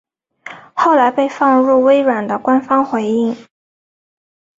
后来被放入微软的官方回应。